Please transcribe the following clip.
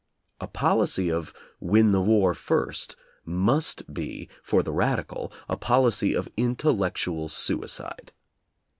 A policy of "win the war first" must be, for the radical, a policy of intellectual suicide.